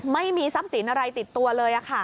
ไม่มีซ้ำสินอะไรติดตัวเลย